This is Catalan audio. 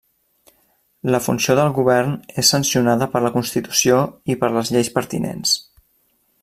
La funció del Govern és sancionada per la Constitució i per les lleis pertinents.